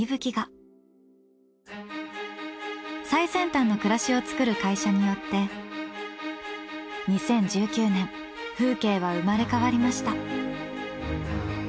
最先端の暮らしをつくる会社によって２０１９年風景は生まれ変わりました。